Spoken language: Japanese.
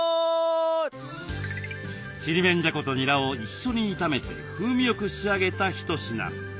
ちりめんじゃことにらを一緒に炒めて風味よく仕上げた一品。